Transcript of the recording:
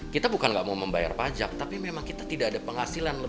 kita bukan nggak mau membayar pajak tapi memang kita tidak ada penghasilan